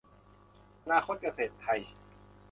อนาคตเกษตรไทย